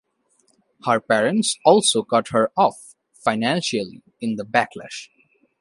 Her parents also cut her off financially in the backlash.